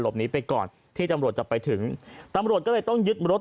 นี้ไปก่อนที่ตำรวจจะไปถึงตำรวจก็เลยต้องยึดรถ